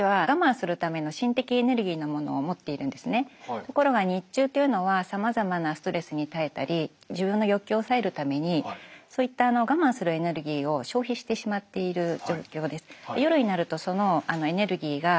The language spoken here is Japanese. ところが日中っていうのはさまざまなストレスに耐えたり自分の欲求を抑えるためにそういった我慢するエネルギーを消費してしまっている状況です。